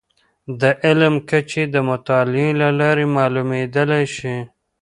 د علم کچې د مطالعې له لارې معلومیدلی شي.